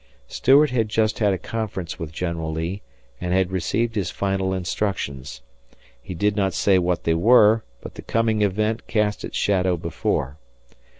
Stuart had just had a conference with General Lee and had received his final instructions. He did not say what they were, but the coming event cast its shadow before.